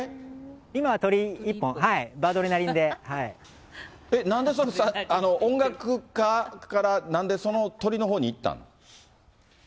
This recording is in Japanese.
今は鳥一本、なんでそんな、音楽家からなんでその鳥のほうにいったん？